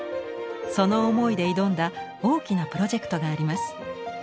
その思いで挑んだ大きなプロジェクトがあります。